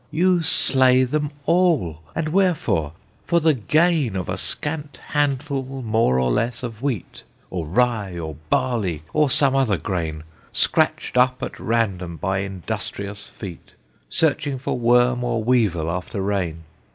"You slay them all! and wherefore? for the gain Of a scant handful more or less of wheat, Or rye, or barley, or some other grain, Scratched up at random by industrious feet, Searching for worm or weevil after rain!